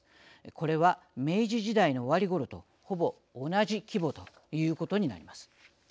これは明治時代の終わりごろとほぼ同じ規模ということになります。